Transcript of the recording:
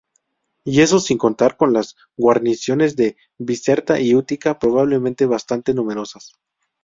Y eso sin contar con las guarniciones de Bizerta y Útica, probablemente bastante numerosas.